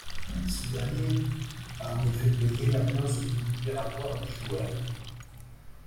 Ce dernier a en effet payé la clause libératoire du joueur.